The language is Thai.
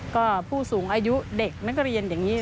ก็ผู้สูงอายุเด็กนักเรียนอย่างนี้